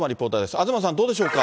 東さん、どうでしょうか。